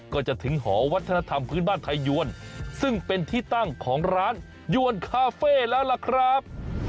ก็จะถึงหอวัฒนธรรมพื้นบ้านไทยยวนซึ่งเป็นที่ตั้งของร้านยวนคาเฟ่แล้วล่ะครับ